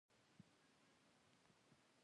آیا د کابل ژوبڼ لیدونکي لري؟